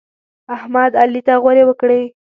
احمد؛ علي ته غورې وکړې.